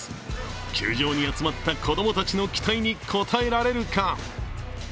球場に集まっている子供たちの期待に応えられるか。